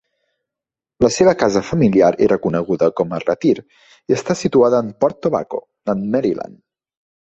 La seva casa familiar era coneguda com a retir i està situada en Port Tobacco en Maryland.